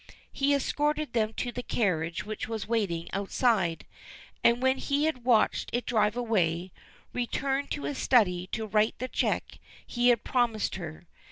He escorted them to the carriage which was waiting outside, and when he had watched it drive away, returned to his study to write the cheque he had promised her.